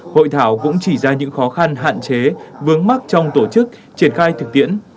hội thảo cũng chỉ ra những khó khăn hạn chế vướng mắc trong tổ chức triển khai thực tiễn